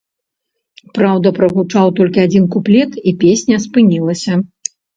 Праўда, прагучаў толькі адзін куплет, і песня спынілася.